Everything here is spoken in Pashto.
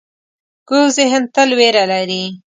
کوږ ذهن تل وېره لري